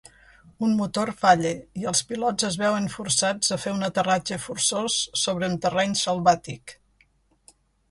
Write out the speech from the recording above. Un motor falla i els pilots es veuen forçats a fer un aterratge forçós sobre un terreny selvàtic.